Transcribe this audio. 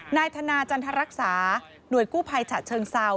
นายธนาจันทรรักษาหน่วยกู้ภัยฉะเชิงเซา